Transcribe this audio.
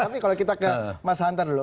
tapi kalau kita ke mas hantar dulu